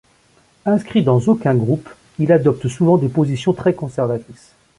Inscrit dans aucun groupe, il adopte souvent des positions très conservatrices.